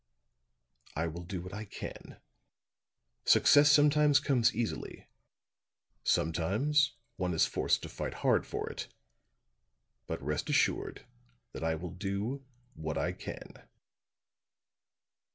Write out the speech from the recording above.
"I will do what I can. Success sometimes comes easily sometimes one is forced to fight hard for it. But rest assured that I will do what I can."